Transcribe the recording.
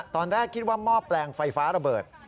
ตอนแรกคิดว่าหม้อแปลงไฟฟ้าระเบิด